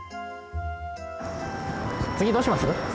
「次どうします？」。